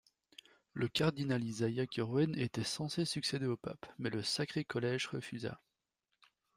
Le cardinal Isaiah Curwen était censé succéder au Pape, mais le Sacré Collège refusa.